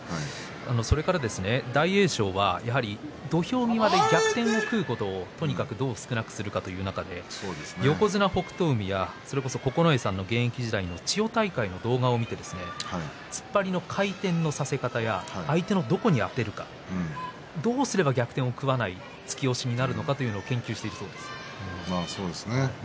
それから大栄翔はやはり土俵際で逆転を食うことをどう少なくするかという中で横綱北勝海が九重さんの現役時代千代大海の動画を見て突っ張りの回転のさせ方や相手のどこにあてるかどうすれば逆転で食わない突き押しになるのかというのを研究していた。